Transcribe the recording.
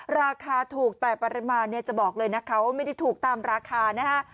ราคาถูกแต่ประมาณจะบอกเลยว่าแบบนี้ไม่ถูกตามราคา